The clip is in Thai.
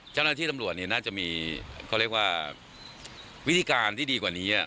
เวลาที่ตำรวจน่าจะมีก็เลยว่าวิธีการที่ดีกว่านี้อ่ะ